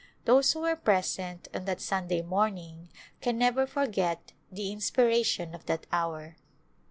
Those who were present on that Sunday morning can never forget the inspiration of that hour.